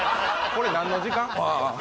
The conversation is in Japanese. これ何の時間？